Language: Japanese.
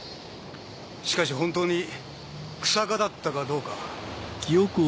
しかし本当に日下だったかどうか。